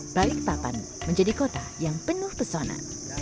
balikpapan menjadi kota yang penuh pesona